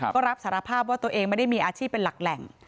ก็รับสารภาพว่าตัวเองไม่ได้มีอาชีพเป็นหลักแหล่ง